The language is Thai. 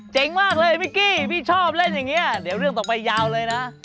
มากเลยพี่กี้พี่ชอบเล่นอย่างนี้เดี๋ยวเรื่องต่อไปยาวเลยนะ